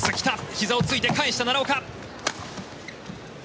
ひざをついて返した奈良岡。